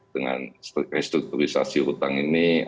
dengan rektur turisasi hutang ini